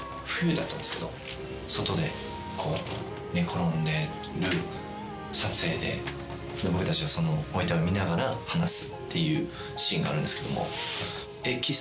外で寝転んでる撮影で僕たちはそのご遺体を見ながら話すっていうシーンがあるんですけども。